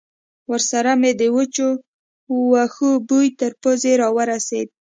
ورسره مې د وچو وښو بوی تر پوزې را ورسېد.